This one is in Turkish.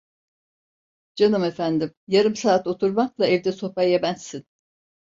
Canım efendim, yarım saat oturmakla evde sopa yemezsin.